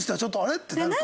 ってなるかも。